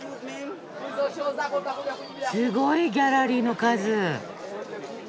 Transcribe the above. すごいギャラリーの数。